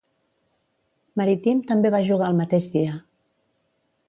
Maritime també va jugar el mateix dia.